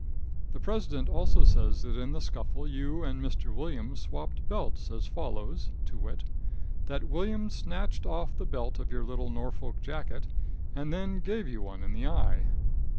The president also says that in the scuffle you and Mr. Williams swapped belts as follows, to wit: That Williams snatched off the belt of your little Norfolk jacket, and then gave you one in the eye.